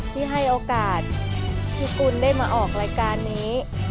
ที่ให้โอกาสที่คุณได้มาออกรายการนี้